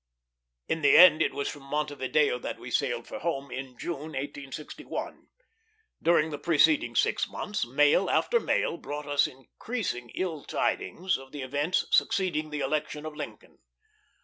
In the end it was from Montevideo that we sailed for home in June, 1861. During the preceding six months, mail after mail brought us increasing ill tidings of the events succeeding the election of Lincoln.